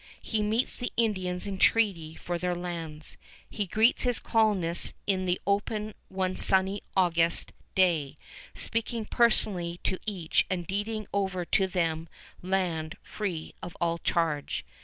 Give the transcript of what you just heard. He meets the Indians in treaty for their lands. He greets his colonists in the open one sunny August day, speaking personally to each and deeding over to them land free of all charge.